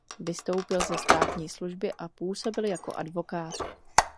Vystoupil ze státní služby a působil jako advokát.